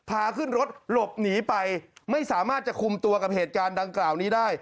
พาขึ้นรถหลบหนีไปไม่สามารถจะคุมตัวกับเหตุการณ์ดังกล่าวนี้ได้